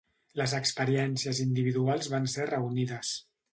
Les experiències individuals van ser reunides.